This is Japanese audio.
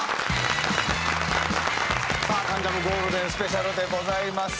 さあ『関ジャム』ゴールデンスペシャルでございます。